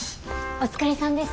お疲れさんです。